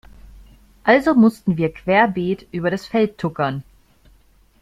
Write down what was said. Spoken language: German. Also mussten wir querbeet über das Feld tuckern.